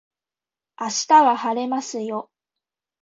明日は晴れますよ